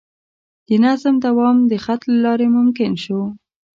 د نظم دوام د خط له لارې ممکن شو.